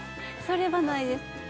それはないです。